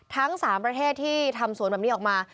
ทั้ง๓ประเทศที่ทำสวนแบบนี้ออกมา